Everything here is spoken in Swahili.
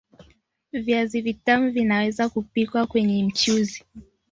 Viazi vitamu vinaweza Kupikwa kwenye mchuzi